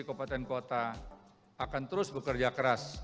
kota dan kabupaten akan terus bekerja keras